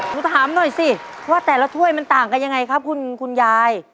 หนูถามหน่อยสิว่าแต่ละถ้วยมันต่างกันยังไงครับคุณยาย